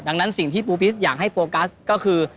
ดังนั้นสิ่งที่ปูปิสอยากให้โฟกัสก็คือ